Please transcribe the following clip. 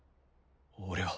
俺は？